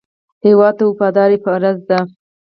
هېواد ته وفاداري فرض ده